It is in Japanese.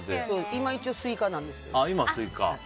今一応スイカなんですけど。